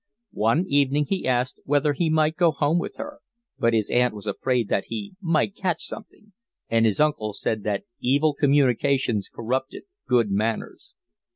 One evening he asked whether he might go home with her; but his aunt was afraid that he might catch something, and his uncle said that evil communications corrupted good manners.